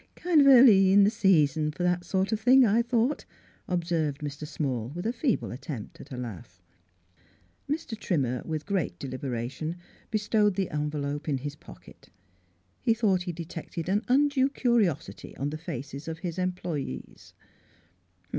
" Kind o' early in the season for that sort of thing, I thought," observed Mr. Small with a feeble attempt at a laugh. Mr. Trimmer with great deliberation Miss Fhilura's Wedding Gown bestowed the envelope in his pocket. He thought he detected an undue curiosity on the faces of his employees.